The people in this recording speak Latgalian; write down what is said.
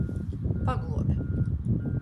Pagluobe.